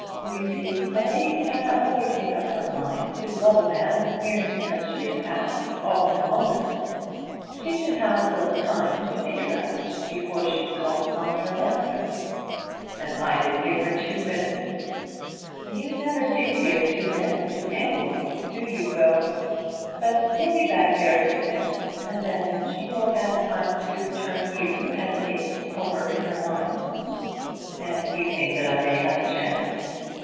You see a lady cannot always make up her mind to love a man, merely because she is asked all in a moment. She should have a little time to think about it before she is called upon for an answer." "And I didn't give her two minutes." "You never do give two minutes to anyone; do you, Will? But you'll be back there at Christmas, and then she will have had time to turn you and it over in her mind." "And you think that I may have a chance?"